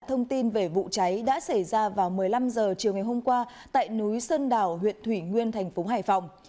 thông tin về vụ cháy đã xảy ra vào một mươi năm h chiều ngày hôm qua tại núi sơn đảo huyện thủy nguyên thành phố hải phòng